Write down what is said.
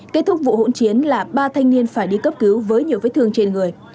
kết thúc vụ hỗn chiến là ba thanh niên phải đi cấp cứu với nhiều vết thương trên người